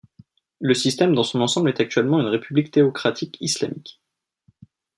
Le système dans son ensemble est actuellement une république théocratique islamique.